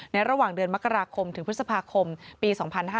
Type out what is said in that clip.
ระหว่างเดือนมกราคมถึงพฤษภาคมปี๒๕๕๙